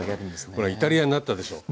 ほらイタリアになったでしょう？